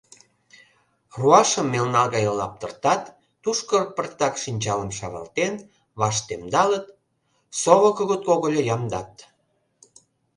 Руашым мелна гай лаптыртат, тушко пыртак шинчалым шавалтен, ваш темдалыт — сово кугыт когыльо ямдат.